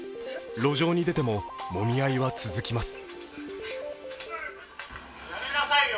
路上に出てももみ合いは続きます。